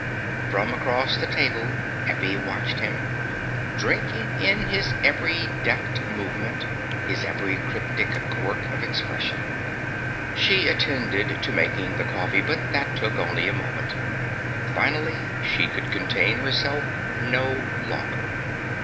From across the table Effie watched him, drinking in his every deft movement, his every cryptic quirk of expression. She attended to making the coffee, but that took only a moment. Finally she could contain herself no longer.